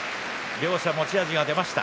両者持ち味が出ました。